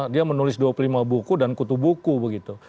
dia menulis dua puluh lima buku dan kutu buku begitu